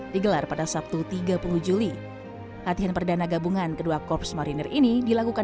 digelar pada sabtu tiga puluh juli latihan perdana gabungan kedua korps marinir ini dilakukan